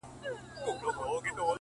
مسافر ليونى،